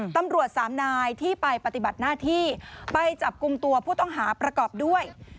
ตำรวจสามนายที่ไปปฏิบัติหน้าที่ไปจับกลุ่มตัวผู้ต้องหาประกอบด้วย